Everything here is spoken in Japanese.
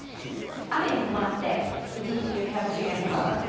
雨に伴って一日中部屋干しがよさそうです。